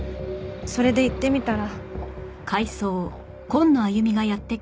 それで行ってみたら。